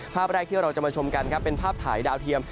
ภาพแรกที่เราจะมาชมกันครับเป็นภาพถ่ายดาวเทียม